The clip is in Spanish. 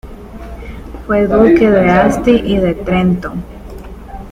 Fue Duque de Asti y de Trento.